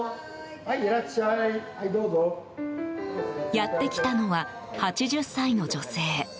やってきたのは８０歳の女性。